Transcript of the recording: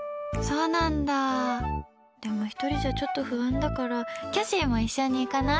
でも１人じゃちょっと不安だからキャシーも一緒に行かない？